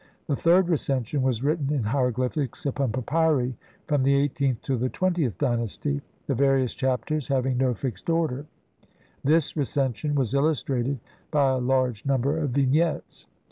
The third Recen sion was written in hieroglyphics upon papyri from the eighteenth to the twentieth dynasty, the various Chapters having no fixed order ; this Recension was illustrated by a large number of Vignettes.